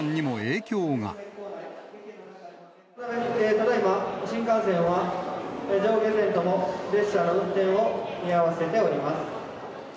ただいま、新幹線は上下線とも列車の運転を見合わせております。